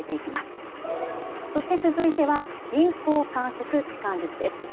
そして続いては人工関節置換術です。